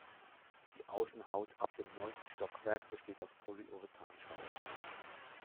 Die Außenhaut ab dem neunten Stockwerk besteht aus Polyurethanschaum.